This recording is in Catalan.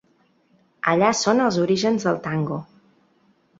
Allà són els orígens del tango.